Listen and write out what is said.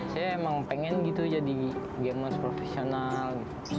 saya emang pengen gitu jadi gamers profesional